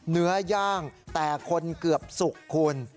เนื้อย่างแต่คนเกือบสุกคุณ